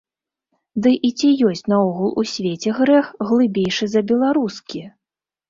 Ды і ці ёсць наогул у свеце грэх, глыбейшы за беларускі?!.